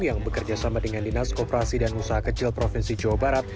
yang bekerja sama dengan dinas koperasi dan usaha kecil provinsi jawa barat